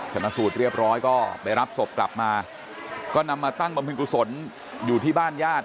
ชนะสูตรเรียบร้อยก็ไปรับศพกลับมาก็นำมาตั้งบำเพ็ญกุศลอยู่ที่บ้านญาติ